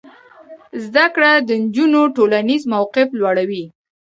زده کړه د نجونو ټولنیز موقف لوړوي.